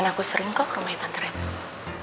ya kalo ada apa apa yang harus